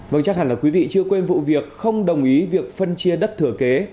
vâng chắc hẳn là quý vị chưa quên vụ việc không đồng ý việc phân chia đất thừa kế